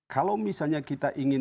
kalau misalnya kita ingin